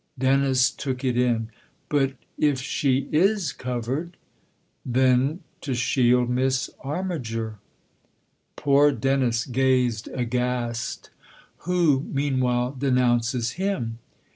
Dennis took it in. " But if she is covered ?"" Then to shield Miss Armiger." Poor Dennis gazed aghast. " Who meanwhile denounces him